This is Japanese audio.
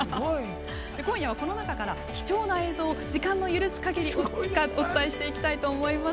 今夜は、この中から貴重な映像を、時間の許す限りお伝えしていきます。